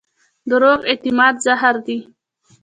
دروغ د اعتماد زهر دي.